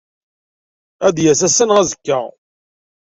Ad d-yas ass-a neɣ azekka.